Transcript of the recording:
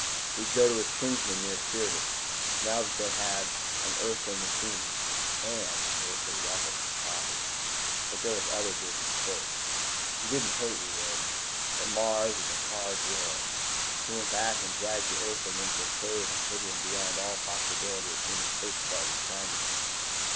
He'd go to his kinsmen near Syrtis. Now that they had an Earthly machine, and Earthly weapons to copy But there was other business first. He didn't hate Riordan, but Mars is a hard world. He went back and dragged the Earthling into a cave and hid him beyond all possibility of human search parties finding him.